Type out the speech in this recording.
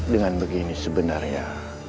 dengan begini sebenarnya